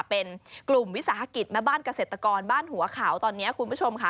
เป็นกลุ่มวิสาหกิจแม่บ้านเกษตรกรบ้านหัวขาวตอนนี้คุณผู้ชมค่ะ